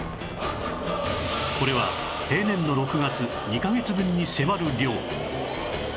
これは平年の６月２カ月分に迫る量